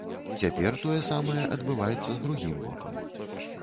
Цяпер тое самае адбываецца з другім вокам.